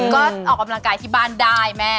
ก็ออกกำลังกายที่บ้านได้แม่